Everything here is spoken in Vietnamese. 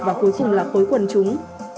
và cuối cùng là khối quần chúng